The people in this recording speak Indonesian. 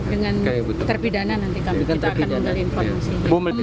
dengan terpidana nanti kita akan mencari informasi